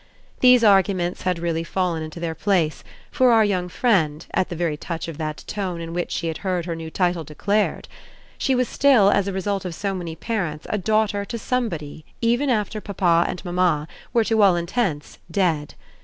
These arguments had really fallen into their place, for our young friend, at the very touch of that tone in which she had heard her new title declared. She was still, as a result of so many parents, a daughter to somebody even after papa and mamma were to all intents dead.